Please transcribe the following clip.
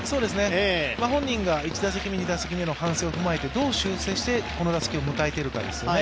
本人が１打席目、２打席目の反省を踏まえて、どう修正してこの打席を迎えているかですよね。